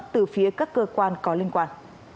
từ phía các cơ quan có liên quan